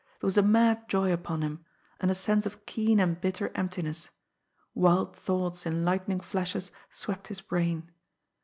There was a mad joy upon him and a sense of keen and bitter emptiness. Wild thoughts, in lightning flashes, swept his brain.